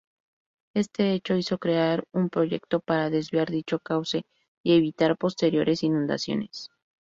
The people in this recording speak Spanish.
Este hecho hizo crear un proyecto para desviar dicho cauce y evitar posteriores inundaciones.